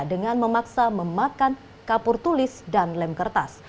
dengan memaksa memakan kapur tulis dan lem kertas